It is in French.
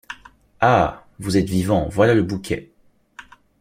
Ah! vous êtes vivant, voilà le bouquet.